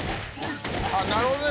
なるほどね！